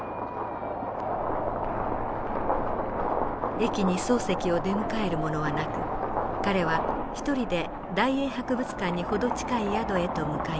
駅に漱石を出迎える者はなく彼は１人で大英博物館に程近い宿へと向かいます。